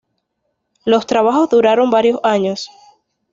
Los trabajos duraron varios años.